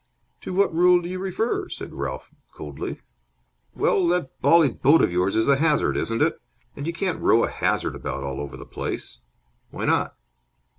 "To what rule do you refer?" said Ralph, coldly. "Well, that bally boat of yours is a hazard, isn't it? And you can't row a hazard about all over the place." "Why not?"